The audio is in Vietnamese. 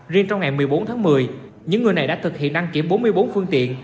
riêng trong ngày một mươi bốn tháng một mươi những người này đã thực hiện đăng kiểm bốn mươi bốn phương tiện